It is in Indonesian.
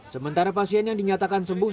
sementara pasien yang dinyatakan sembuh